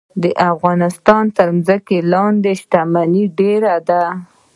د افغانستان تر ځمکې لاندې شتمني ډیره ده